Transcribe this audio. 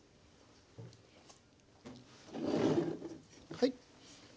はい。